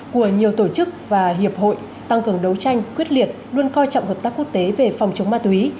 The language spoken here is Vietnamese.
của nhiều tổ chức và hiệp hội tăng cường đấu tranh quyết liệt luôn coi trọng hợp tác quốc tế về phòng chống ma túy